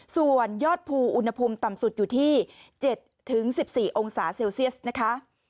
ส่วนยอดภูอุณหภูมิต่ำสุดอยู่ที่๗๑๔องศาเซลเซียสนะคะ